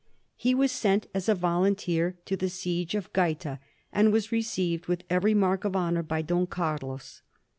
He was sent as a volunteer to the siege of Oaeta, and was received with every mark of honor by Don Carlos.